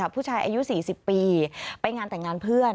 ผู้ชายอายุ๔๐ปีไปงานแต่งงานเพื่อน